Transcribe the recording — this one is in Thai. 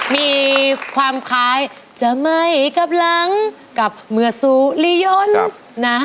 มีความคล้ายจะไม่กลับหลังกับเมื่อสุริยนนะ